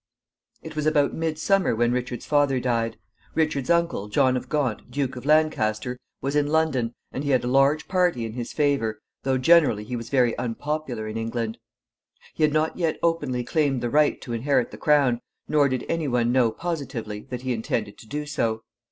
It was about midsummer when Richard's father died. Richard's uncle, John of Gaunt, Duke of Lancaster, was in London, and he had a large party in his favor, though generally he was very unpopular in England. He had not yet openly claimed the right to inherit the crown, nor did any one know positively that he intended to do so.